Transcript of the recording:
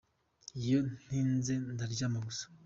Iyo ntize ndaryama gusa.